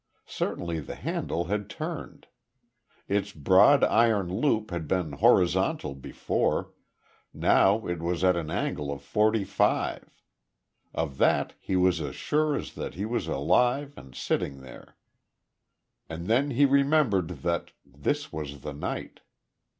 Certainly the handle had turned. Its broad iron loop had been horizontal before, now it was at an angle of forty five. Of that he was as sure as that he was alive and sitting there. And then he remembered that this was the night.